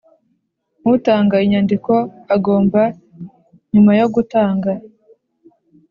Utanga Inyandiko Agomba Nyuma Yo Gutanga